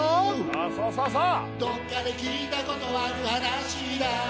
ああそうそうそう！